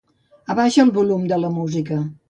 Abaixa el volum de la música.